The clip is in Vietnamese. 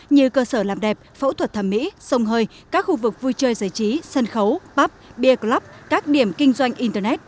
như cơ sở làm đẹp phẫu thuật thẩm mỹ sông hơi các khu vực vui chơi giải trí sân khấu pop bia club các điểm kinh doanh internet